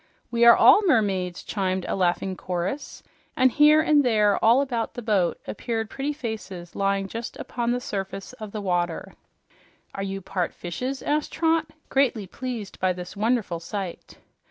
"We are all mermaids!" chimed a laughing chorus, and here and there, all about the boat, appeared pretty faces lying just upon the surface of the water. "Are you part fishes?" asked Trot, greatly pleased by this wonderful sight.